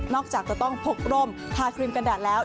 นอกจากจะต้องพกร่มทาครีมกันแดดแล้ว